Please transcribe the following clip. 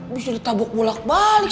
abis itu tabuk mulak balik